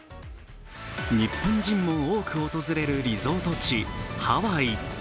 日本人も多く訪れるリゾート地ハワイ。